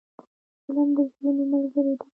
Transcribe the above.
فلم د زړونو ملګری دی